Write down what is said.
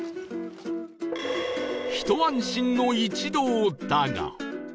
ひと安心の一同だが